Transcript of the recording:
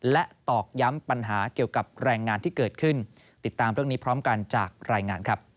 และตอกย้ำปัญหาเกี่ยวกับแรงงานที่เกิดขึ้น